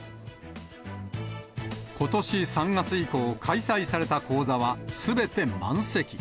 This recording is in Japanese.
ことし３月以降、開催された講座はすべて満席。